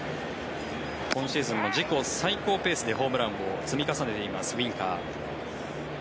今シーズンも自己最高ペースでホームランを積み重ねていますウィンカー。